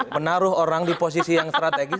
menaruh orang di posisi yang strategis